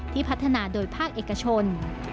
พัฒนาโดยภาคเอกชน